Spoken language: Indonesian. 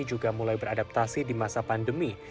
juga mulai beradaptasi di masa pandemi